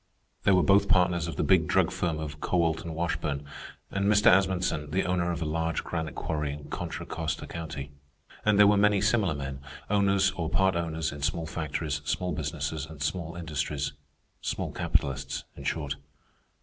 There were both partners of the big drug firm of Kowalt & Washburn, and Mr. Asmunsen, the owner of a large granite quarry in Contra Costa County. And there were many similar men, owners or part owners in small factories, small businesses and small industries—small capitalists, in short.